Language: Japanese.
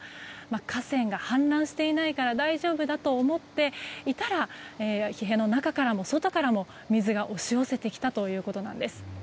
河川が氾濫していないから大丈夫だと思っていたら家の中からも、外からも水が押し寄せてきたということです。